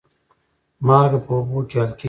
مالګه په اوبو کې حل کېږي.